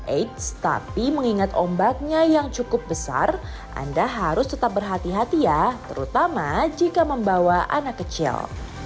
eits tapi mengingat ombaknya yang cukup besar anda harus tetap berhati hati ya terutama jika membawa anak kecil